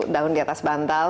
down di atas bantal